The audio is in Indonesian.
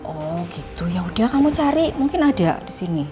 oh gitu yaudah kamu cari mungkin ada di sini